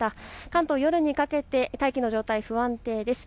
関東、夜にかけて大気の状態、不安定です。